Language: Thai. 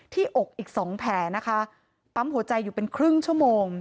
อกอีกสองแผลนะคะปั๊มหัวใจอยู่เป็นครึ่งชั่วโมง